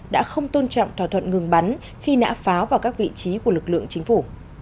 đã không tôn trọng thỏa thuận ngừng bắn khi nã pháo vào các vị trí của lực lượng chính phủ